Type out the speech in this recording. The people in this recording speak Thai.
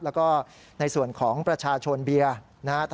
แล้วก็ในส่วนของประชาชนเบียร์นะฮะ